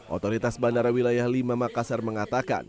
otoritas bandara wilayah lima makassar mengatakan